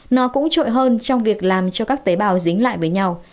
nó cũng trội hơn trong việc làm cho các chế độ cao